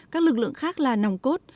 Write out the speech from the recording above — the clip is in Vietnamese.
các lực lượng khác là nòng cốt